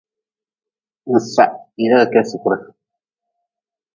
Nsah hii da ka kedi sukure.